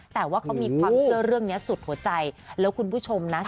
แต่ว่าเขามีความเชื่อเรื่องนี้สุดหัวใจแล้วคุณผู้ชมนะ